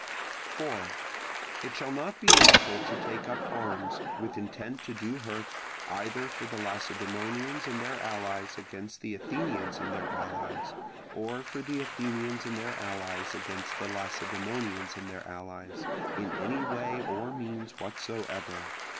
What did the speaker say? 4. It shall not be lawful to take up arms, with intent to do hurt, either for the Lacedaemonians and their allies against the Athenians and their allies, or for the Athenians and their allies against the Lacedaemonians and their allies, in any way or means whatsoever.